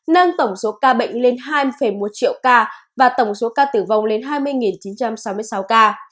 nâng tổng số ca bệnh lên hai một triệu ca và tổng số ca tử vong lên hai mươi chín trăm sáu mươi sáu ca